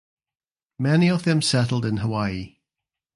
Many of them settled in Hawaii.